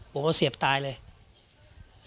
ผมเอาเสียบตายเลย